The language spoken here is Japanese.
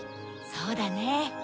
そうだね。